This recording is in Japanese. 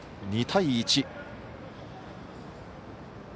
２対１。